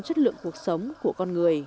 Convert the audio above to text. chất lượng cuộc sống của con người